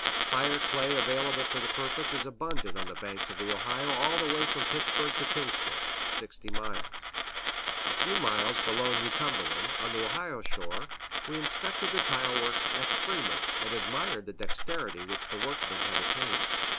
Fire clay available for the purpose is abundant on the banks of the Ohio all the way from Pittsburg to Kingston (60 miles). A few miles below New Cumberland, on the Ohio shore, we inspected the tile works at Freeman, and admired the dexterity which the workmen had attained.